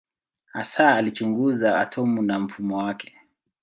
Hasa alichunguza atomu na mfumo wake.